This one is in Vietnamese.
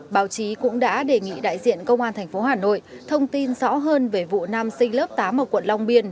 báo chí cũng đã đề nghị đại diện công an tp hà nội thông tin rõ hơn về vụ nam sinh lớp tám ở quận long biên